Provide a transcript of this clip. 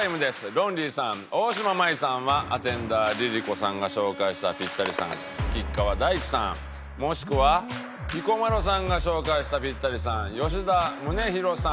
ロンリーさん大島麻衣さんはアテンダーＬｉＬｉＣｏさんが紹介したピッタリさん吉川大貴さんもしくは彦摩呂さんが紹介したピッタリさん吉田宗洋さん